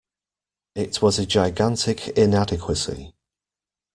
It was a gigantic inadequacy.